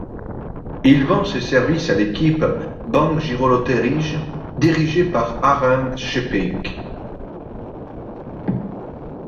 Il vend ses services à l'équipe BankGiroLoterij, dirigée par Arend Scheppink.